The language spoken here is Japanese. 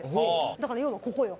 だから要は、ここよ。